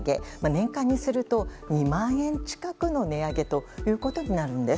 年間にすると２万円近くの値上げということになるんです。